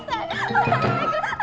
下ろしてください！